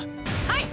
はい！